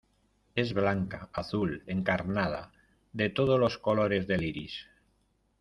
es blanca, azul , encarnada , de todos los colores del iris.